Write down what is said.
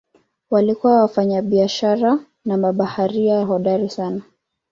Walikuwa wafanyabiashara na mabaharia hodari sana.